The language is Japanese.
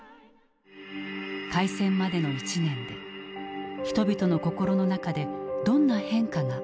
開戦までの１年で人々の心の中でどんな変化があったのか。